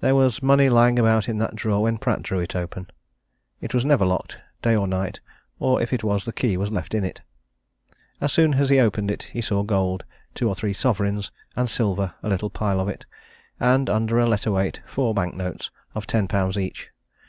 There was money lying about in that drawer when Pratt drew it open; it was never locked, day or night, or, if it was, the key was left in it. As soon as he opened it, he saw gold two or three sovereigns and silver a little pile of it. And, under a letter weight, four banknotes of ten pounds each.